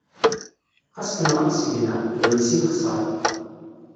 Xas tenɣam seg-neɣ, drus i nexseṛ.